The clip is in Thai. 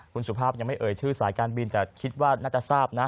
คุณสุภาพยังไม่เอ่ยชื่อสายการบินแต่คิดว่าน่าจะทราบนะ